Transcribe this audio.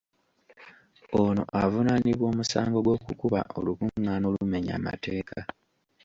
Ono avunaanibwa omusango gw’okukuba olukung’aana olumenya amateeka.